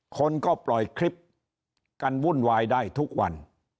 คนก็ปล่อยคลิปกันวุ่นวายได้ทุกวัน